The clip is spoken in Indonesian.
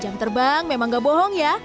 jam terbang memang gak bohong ya